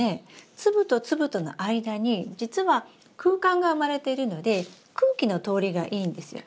粒と粒との間に実は空間が生まれてるので空気の通りがいいんですよ。